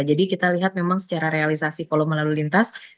jadi kita lihat memang secara realisasi volume lalu lintas